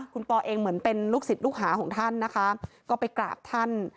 คุณปอเองเหมือนเป็นลูกศิษย์ลูกหาของท่านนะคะก็ไปกราบท่าน